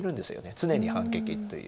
常に反撃という。